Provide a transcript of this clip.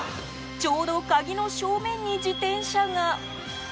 ちょうど鍵の正面に自転車が。